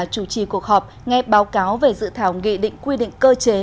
chủ trì cuộc họp nghe báo cáo về dự thảo nghị định quy định cơ chế